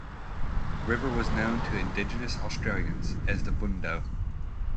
The river was known to Indigenous Australians as the Bhundo.